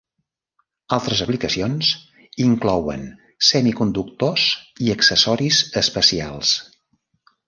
Altres aplicacions inclouen semiconductors i accessoris especials.